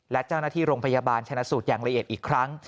และเจ้าหน้าที่โรงพยาบาลชนะสูตรอย่างละเอียดอีกครั้ง